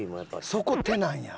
そこ手なんや。